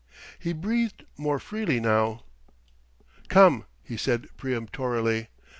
He breathed more freely now. "Come!" he said peremptorily.